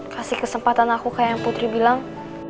kasih kesempatan aku kayak yang putri bilang